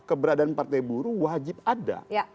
keberadaan partai buruh wajib ada